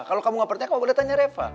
kalau kamu gak percaya kamu boleh tanya reva